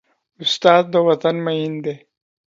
استاد د وطن مین دی.